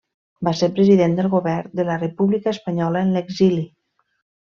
Va ser president del Govern de la República espanyola en l'exili.